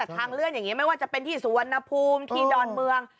ทางเลื่อนอย่างนี้ไม่ว่าจะเป็นที่สุวรรณภูมิที่ดอนเมือง